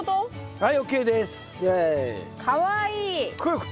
はい。